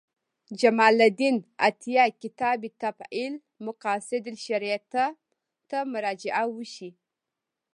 جمال الدین عطیه کتاب تفعیل مقاصد الشریعة ته مراجعه وشي.